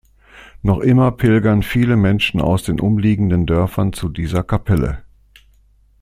Noch immer pilgern viele Menschen aus den umliegenden Dörfern zu dieser Kapelle.